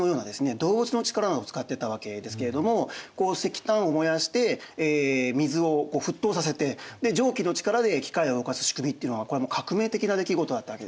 動物の力などを使っていたわけですけれども石炭を燃やして水を沸騰させてで蒸気の力で機械を動かす仕組みっていうのはこれはもう革命的な出来事だったわけですね。